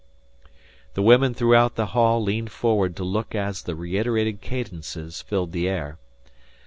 The women throughout the hall leaned forward to look as the reiterated cadences filled the air.